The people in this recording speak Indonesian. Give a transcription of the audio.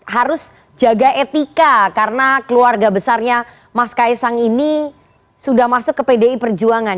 harus jaga etika karena keluarga besarnya mas kaisang ini sudah masuk ke pdi perjuangan